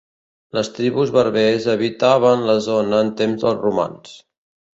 Les tribus berbers habitaven la zona en temps dels romans.